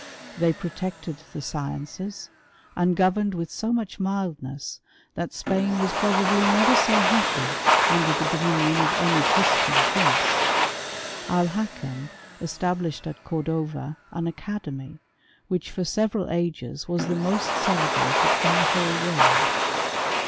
They protected the sciences, and governed with so much mildness, that Spain was probably never so happy under the dominion of any Christian prince* Alhakem established at Cordova an academy, which for several ages was the most celebrated in the whole world.